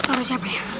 suara siapa ya